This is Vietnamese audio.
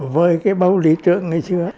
với cái bầu lý trưởng ngày xưa